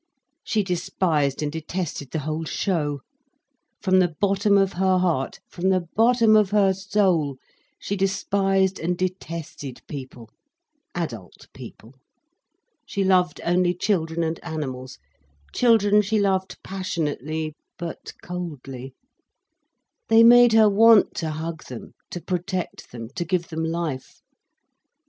She despised and detested the whole show. From the bottom of her heart, from the bottom of her soul, she despised and detested people, adult people. She loved only children and animals: children she loved passionately, but coldly. They made her want to hug them, to protect them, to give them life.